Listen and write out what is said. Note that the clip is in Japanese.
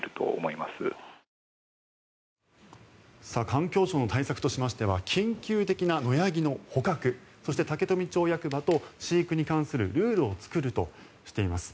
環境省の対策としては緊急的な野ヤギの捕獲そして竹富町役場と飼育に関するルールを作るとしています。